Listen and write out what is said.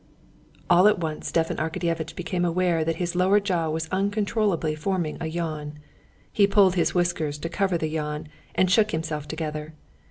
All at once Stepan Arkadyevitch became aware that his lower jaw was uncontrollably forming a yawn. He pulled his whiskers to cover the yawn, and shook himself together.